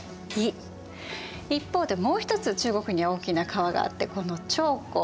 一方でもう一つ中国には大きな川があってこの長江。